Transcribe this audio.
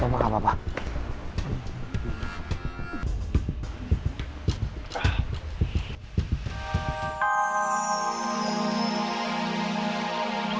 oh mama bak di dektech